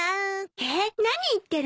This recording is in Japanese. えっ何言ってるの？